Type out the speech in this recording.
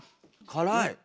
辛い。